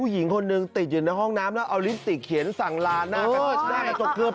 หิงคนนึงติดอยู่ในห้องน้ำแล้วเอาลิฟติเขียนสั่งลาแบบนี้